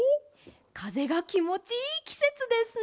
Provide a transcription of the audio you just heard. かぜがきもちいいきせつですね！